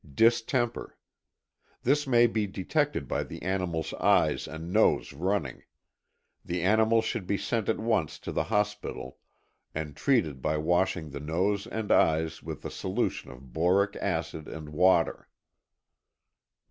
DistemperŌĆöThis may be detected by the animalŌĆÖs eyes and nose running. The animal should be sent at once to the hospital, and treated by washing the nose and eyes with a solution of boric acid and water.